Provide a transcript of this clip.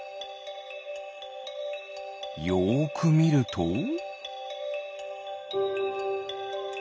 よくみると？